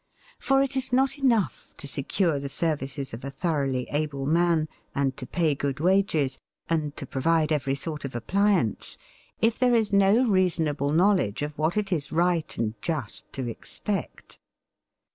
For it is not enough to secure the services of a thoroughly able man, and to pay good wages, and to provide every sort of appliance, if there is no reasonable knowledge of what it is right and just to expect.